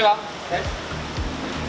dari atas ini